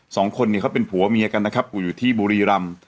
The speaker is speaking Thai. สองคนเนี่ยเขาเป็นผัวเมียกันนะครับกูอยู่ที่บุรีรำ